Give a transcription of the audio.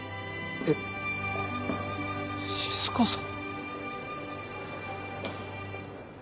えっ？静さん？